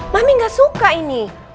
mami gak suka ini